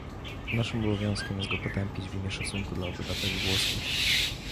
Naszym obowiązkiem jest go potępić w imię szacunku dla obywateli włoskich